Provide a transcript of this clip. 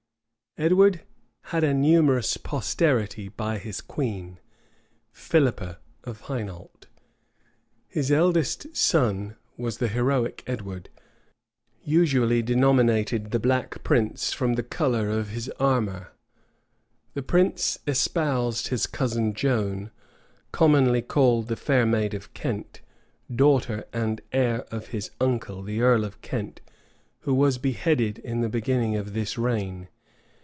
Edward had a numerous posterity by his queen, Philippa of Hainault. His eldest son was the heroic Edward, usually denominated the Black Prince from the color of his armor. This prince espoused his cousin Joan, commonly called the "fair maid of Kent," daughter and heir of his uncle, the earl of Kent, who was beheaded in the beginning of this reign.